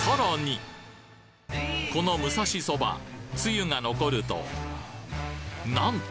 この武蔵そばつゆが残るとなんと！